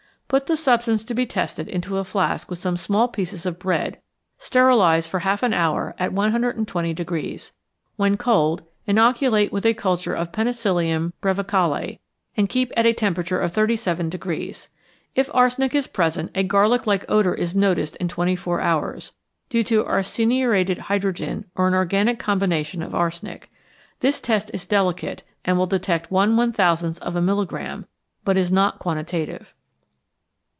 _ Put the substance to be tested into a flask with some small pieces of bread, sterilize for half an hour at 120° C. When cold, inoculate with a culture of Penicillium brevicaule, and keep at a temperature of 37° C. If arsenic is present, a garlic like odour is noticed in twenty four hours, due to arseniuretted hydrogen or an organic combination of arsenic. This test is delicate, and will detect 1/1000 of a milligramme, but it is not quantitative.